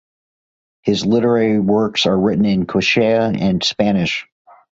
His literary works are written in Quechua and Spanish.